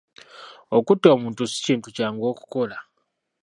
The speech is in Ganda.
Okutta omuntu si kintu kyangu okukola.